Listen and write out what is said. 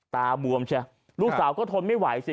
ตาบวมช่ะลูกสาวก็ทนไม่ไหว